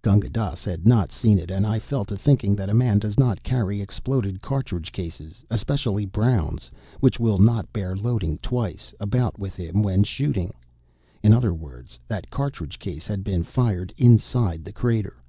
Gunga Dass had not seen it; and I fell to thinking that a man does not carry exploded cartridge cases, especially "browns," which will not bear loading twice, about with him when shooting. In other words, that cartridge case had been fired inside the crater.